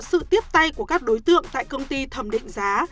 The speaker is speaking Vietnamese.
đã có sự tiếp tay của các đối tượng tại công ty thẩm định giá